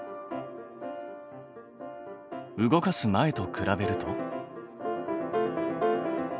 動かす前と比べると？